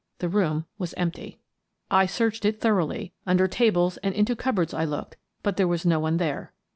The room was empty. I searched it thoroughly. Under tables and into cupboards I looked — but there was no one there.